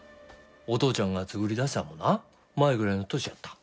お父ちゃんが作りだしたんもな舞ぐらいの年やった。